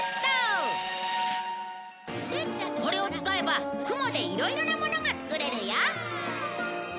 これを使えば雲でいろいろなものが作れるよ